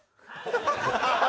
ハハハハ！